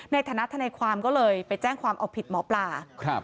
ทนายความก็เลยไปแจ้งความเอาผิดหมอปลา